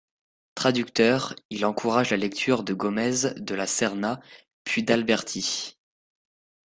Traducteur, il encourage la lecture de Gómez de la Serna, puis d'Alberti.